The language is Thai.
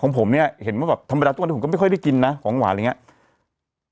ผมเนี่ยเห็นว่าแบบธรรมดาทุกวันนี้ผมก็ไม่ค่อยได้กินนะของหวานอะไรอย่างนี้